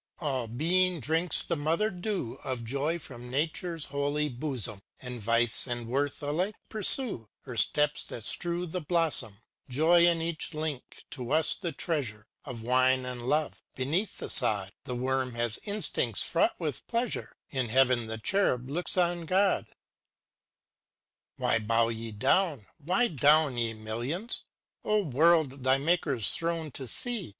All being drinks the mother dew Of joy from Nature's holy bosom; And Vice and Worth alike pursue Her steps that strew the blossom. Joy in each link: to us the treasure Of Wine and Love; beneath the sod. The worm has instincts fraught with pleasure; In heaven the Cherub looks on God I Chorus â Why bow ye down â why down â ye millions? O World, thy Maker's throne to see.